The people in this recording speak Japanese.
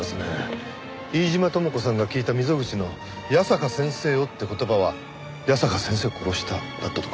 飯島智子さんが聞いた溝口の「矢坂先生を」って言葉は「矢坂先生を殺した」だったとか。